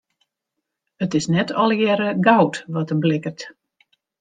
It is net allegearre goud wat der blikkert.